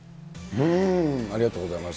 ありがとうございます。